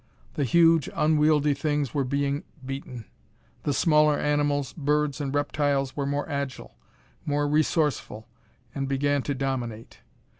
The huge unwieldy things were being beaten. The smaller animals, birds and reptiles were more agile, more resourceful, and began to dominate.